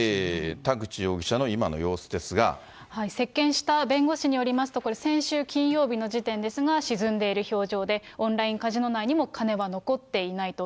接見した弁護士によりますと、これ、先週金曜日の時点ですが、沈んでいる表情で、オンラインカジノ内にも金は残っていないと。